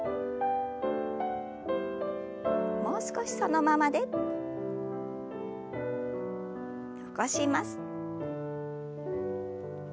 もう少しそのままで。起こします。